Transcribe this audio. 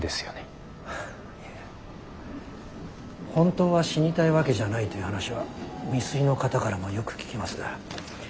いえ本当は死にたいわけじゃないという話は未遂の方からもよく聞きます。